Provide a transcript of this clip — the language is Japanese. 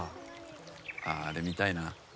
あれ、見たいな。